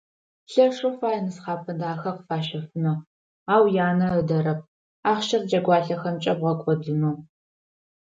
Лъэшэу фай нысхъапэ дахэ къыфащэфынэу, ау янэ ыдэрэп ахъщэр джэгуалъэхэмкӏэ бгъэкӏодынэу.